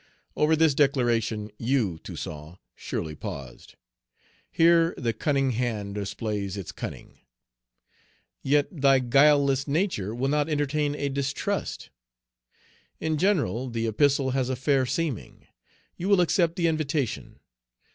Over this declaration, you, Toussaint, surely paused. Here the cunning hand displays its cunning. Yet thy guileless nature will not entertain a distrust. In general, the epistle has a fair seeming. You will accept the invitation.